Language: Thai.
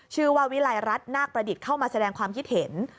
วิลัยรัฐนาคประดิษฐ์เข้ามาแสดงความคิดเห็น